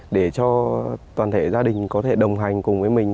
để cho toàn thể gia đình có thể đồng hành cùng với mình